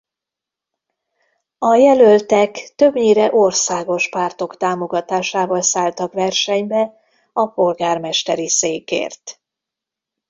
A jelöltek többnyire országos pártok támogatásával szálltak versenybe a polgármesteri székért.